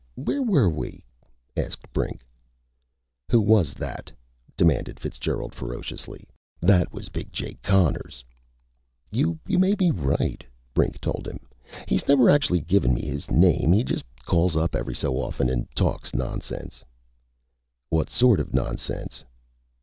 where were we?" asked Brink. "Who was that?" demanded Fitzgerald ferociously. "That was Big Jake Connors!" "You may be right." Brink told him. "He's never exactly given me his name. He just calls up every so often and talks nonsense." "What sort of nonsense?"